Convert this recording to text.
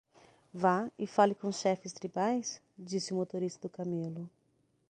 "Vá e fale com os chefes tribais?" disse o motorista do camelo.